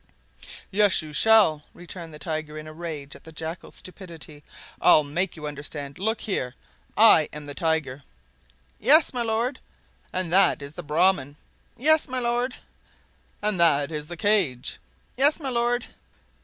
"Yes, you shall!" returned the Tiger, in a rage at the Jackal's stupidity; "I'll make you understand! Look here—I am the Tiger—" "Yes, my lord!" "And that is the Brahman—" "Yes, my lord!" "And that is the cage—" "Yes, my lord!"